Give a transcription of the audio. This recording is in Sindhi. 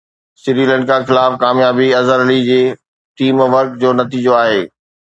سريلنڪا خلاف ڪاميابي اظهر علي جي ٽيم ورڪ جو نتيجو آهي